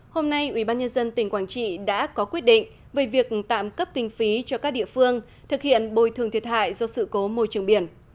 hôm nay ubnd tỉnh quảng trị đã có quyết định về việc tạm cấp kinh phí cho các địa phương thực hiện bồi thường thiệt hại do sự cố môi trường biển